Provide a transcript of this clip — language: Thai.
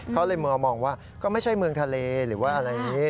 เขาเลยมองว่าก็ไม่ใช่เมืองทะเลหรือว่าอะไรอย่างนี้